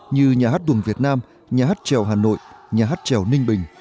như nhà hát tuồng việt nam nhà hát trèo hà nội nhà hát trèo ninh bình